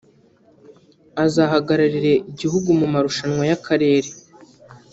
azahagararira igihugu mu marushanwa y’akarere